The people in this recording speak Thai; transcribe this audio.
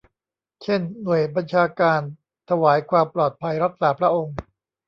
เช่น หน่วยบัญชาการถวายความปลอดภัยรักษาพระองค์